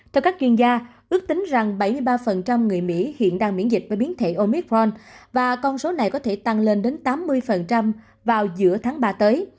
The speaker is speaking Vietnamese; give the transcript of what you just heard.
theo các chuyên gia ước tính rằng bảy mươi ba người mỹ hiện đang miễn dịch với biến thể omithron và con số này có thể tăng lên đến tám mươi vào giữa tháng ba tới